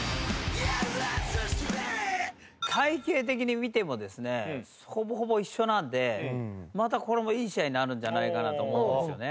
体形的に見てもですねほぼほぼ一緒なのでまたこれもいい試合になるんじゃないかなと思うんですよね。